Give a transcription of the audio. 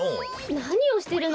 なにしてるの？